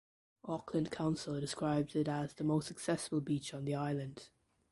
Auckland Council describes it as the most accessible beach on the island.